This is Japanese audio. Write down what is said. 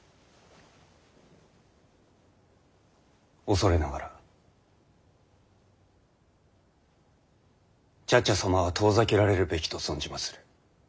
恐れながら茶々様は遠ざけられるべきと存じまする。